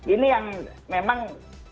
ini yang memang